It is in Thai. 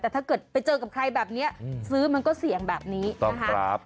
แต่ถ้าเกิดไปเจอกับใครแบบนี้ซื้อมันก็เสี่ยงแบบนี้นะคะ